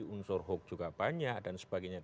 unsur hoax juga banyak dan sebagainya